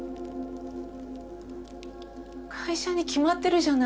会社に決まってるじゃない。